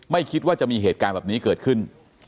ไม่คิดว่าจะมีเหตุการณ์แบบนี้เกิดขึ้น